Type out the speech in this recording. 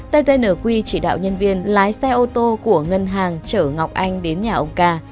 tvnq chỉ đạo nhân viên lái xe ô tô của ngân hàng chở ngọc anh đến nhà ông ca